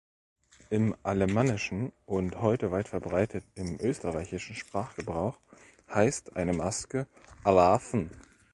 Im alemannischen und heute weit verbreitet im österreichischen Sprachgebrauch heißt „eine Maske“ „a Laaf’n“.